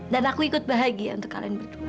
dan aku ikut bahagia untuk kalian berdua